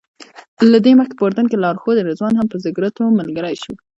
له دې مخکې په اردن کې لارښود رضوان هم په سګرټو ملګری شو.